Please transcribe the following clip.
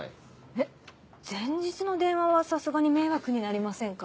えっ前日の電話はさすがに迷惑になりませんか？